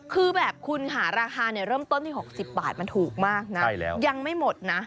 คือแบบแบบคุณหาราคาเริ่มต้นที่๖๐บาทมันถูกมากนะ